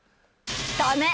ダメ！